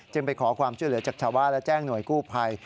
ไปขอความช่วยเหลือจากชาวบ้านและแจ้งหน่วยกู้ภัย